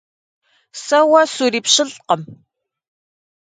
Сэ уэ сурипщылӀкъым!